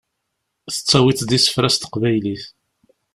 Tettawiḍ-d isefra s teqbaylit.